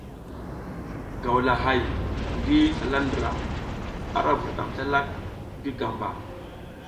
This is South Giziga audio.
Gawlahay ngi zlala ndra, ara vurdam slalak ngi gamba.